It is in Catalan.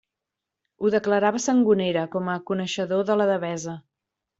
Ho declarava Sangonera, com a coneixedor de la Devesa.